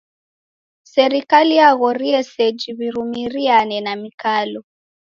Serikali yaghorie seji w'irumiriane ni mikalo.